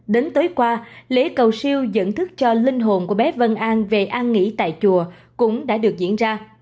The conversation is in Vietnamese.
đến tối qua lễ cầu siêu dẫn thức cho linh hồn của bé vân an về an nghỉ tại chùa cũng đã được diễn ra